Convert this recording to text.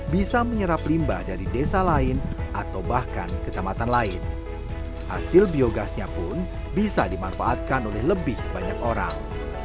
bisa dimanfaatkan oleh lebih banyak orang